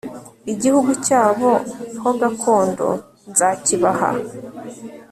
igihugu cyabo ho gakondo nzakibaha